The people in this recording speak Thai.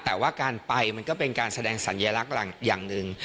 แต่ว่าการไปมันก็เป็นการแสดงสัญลักษณ์อย่างหนึ่ง